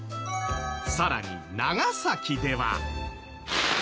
さらに長崎では。